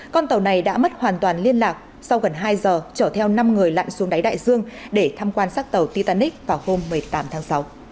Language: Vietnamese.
con tàu này đã mất hoàn toàn liên lạc sau gần hai giờ chở theo năm người lặn xuống đáy đại dương để tham quan sát tàu titanic vào hôm một mươi tám tháng sáu